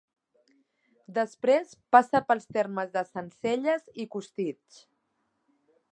Després, passa pels termes de Sencelles i Costitx.